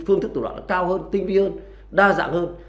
phương thức tội phạm cao hơn tinh vi hơn đa dạng hơn